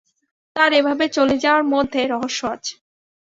তাঁর এভাবে চলে যাওয়ার মধ্যে রহস্য আছে।